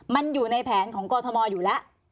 มันอยู่ในแผนของกรทมอยู่แล้ว